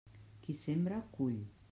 Qui sembra, cull.